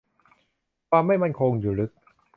ความไม่มั่นคงอยู่ลึก